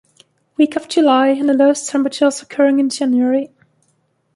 Week of July and the lowest temperatures occurring in January.